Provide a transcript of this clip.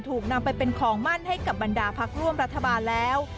ถูกนำไปเป็นของมั่นให้กับบรรดาพักร่วมรัฐบาลแล้ว